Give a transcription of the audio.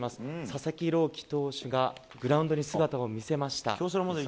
佐々木朗希投手がグラウンドに姿を見せました。